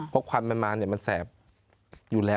เพราะควันมันมามันแสบอยู่แล้ว